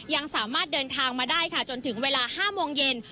ยังสามารถเดินทางมาได้ค่ะจนถึงเวลา๕โมงเย็น